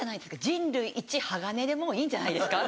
人類いち鋼でもういいんじゃないですか？